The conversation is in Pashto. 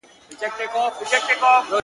د ښکاري د تور په منځ کي ګرځېدلې -